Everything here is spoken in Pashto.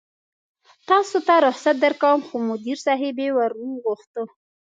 تاسې ته رخصت درکوم، خو مدیر صاحبې ور وغوښتو.